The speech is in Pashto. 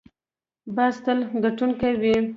باز تل ګټونکی وي